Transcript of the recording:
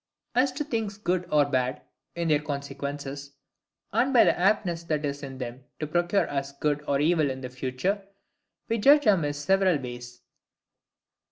(II). As to THINGS GOOD OR BAD IN THEIR CONSEQUENCES, and by the aptness that is in them to procure us good or evil in the future, we judge amiss several ways.